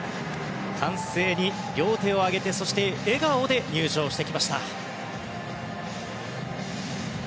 歓声に両手を上げて笑顔で入場してきました。